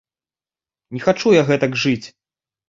Не хачу я гэтак жыць!